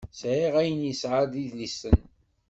Sεiɣ ayen yesεa d idlisen.